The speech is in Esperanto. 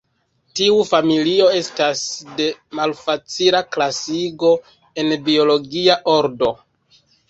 Tiu familio estas de malfacila klasigo en biologia ordo.